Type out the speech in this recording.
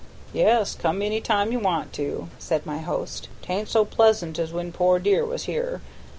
"Yes, come any time you want to," said my host, "'tain't so pleasant as when poor dear was here.